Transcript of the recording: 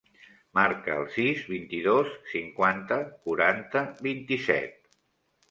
Marca el sis, vint-i-dos, cinquanta, quaranta, vint-i-set.